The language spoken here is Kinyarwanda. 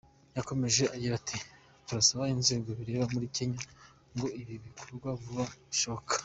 Yakomeje agira ati “Turasaba inzego bireba muri Kenya ngo ibi bintu bikorwe vuba bishoboka.